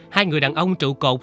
hai người đàn ông trụ cột